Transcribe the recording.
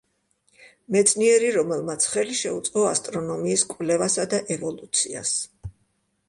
მეცნიერი, რომელმაც ხელი შეუწყო ასტრონომიის კვლევასა და ევოლუციას.